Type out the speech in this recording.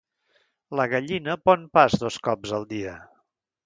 La gallina pon pas dos cops al dia.